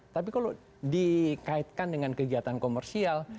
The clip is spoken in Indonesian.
tapi kalau dikaitkan dengan kegiatan komersial